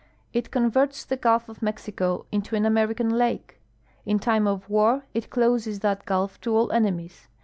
It converts tlie gulf of IMexico into an American lake. In time of war it closes that gulf to all enemies.